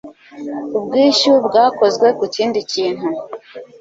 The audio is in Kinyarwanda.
ubwishyu bwakozwe ku kindi kintu